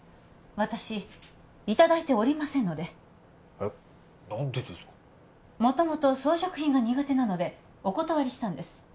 私いただいておりませんのでえっ何でですかもともと装飾品が苦手なのでお断りしたんです